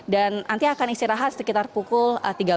dan nanti akan istirahat sekitar pukul tiga belas